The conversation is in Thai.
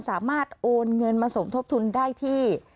สามารถโอนเงินมาส่งทบทุนได้ที่